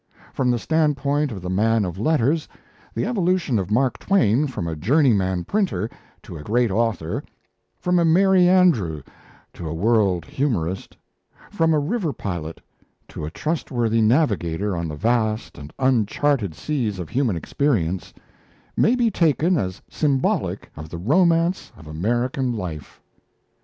From the standpoint of the man of letters, the evolution of Mark Twain from a journeyman printer to a great author, from a merry andrew to a world humorist, from a river pilot to a trustworthy navigator on the vast and uncharted seas of human experience, may be taken as symbolic of the romance of American life.